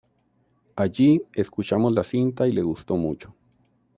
Allí, escuchamos la cinta y le gustó mucho.